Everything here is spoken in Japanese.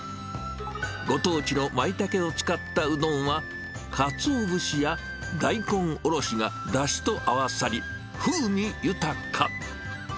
ご当地のマイタケを使ったうどんは、かつお節や大根おろしがだしと合わさり、風味豊か。